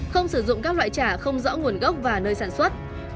không sử dụng các loại chả không rõ nguồn gốc và nơi sản xuất